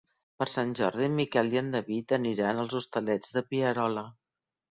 Per Sant Jordi en Miquel i en David aniran als Hostalets de Pierola.